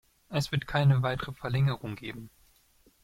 Es wird keine weitere Verlängerung geben.